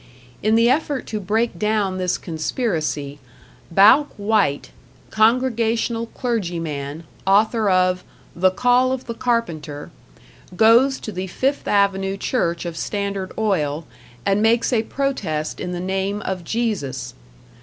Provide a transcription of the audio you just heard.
In the effort to break down this conspiracy, Bouck White, Congregational clergyman, author of "The Call of the Carpenter", goes to the Fifth Avenue Church of Standard Oil and makes a protest in the name of Jesus.